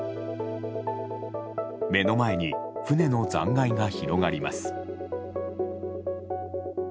目の前に船の残骸が広がります。